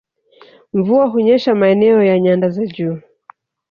Mvua hunyesha maeneo ya nyanda za juu